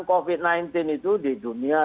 covid sembilan belas itu di dunia